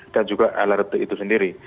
dan juga lrt itu sendiri